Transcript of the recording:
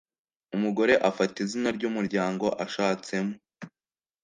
umugore afata izina ryumuryango ashatse mo